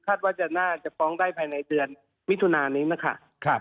ว่าจะน่าจะฟ้องได้ภายในเดือนมิถุนานี้นะคะ